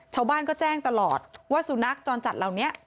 ชาวบ้านก็แจ้งตลอดว่าสุนัขจรจัดเหล่านี้